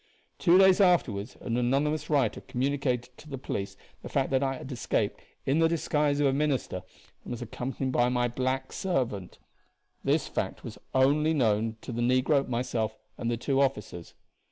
Two days afterward an anonymous writer communicated to the police the fact that I had escaped in the disguise of a minister, and was accompanied by my black servant. This fact was only known to the negro, myself, and the two officers.